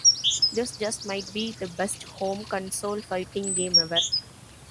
This just might be the best home console fighting game ever.